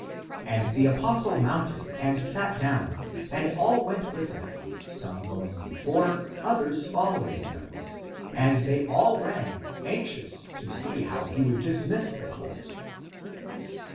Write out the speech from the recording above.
And the apostle mounted and sat down, and all went with him, some going before, others following him, and they all ran, anxious to see how he would dismiss the colt.